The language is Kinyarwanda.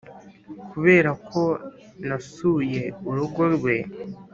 kuberako nasuye urugo rwe,